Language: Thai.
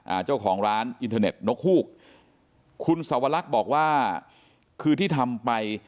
อ่าเจ้าของร้านอินเทอร์เน็ตนกฮูกคุณสวรรคบอกว่าคือที่ทำไป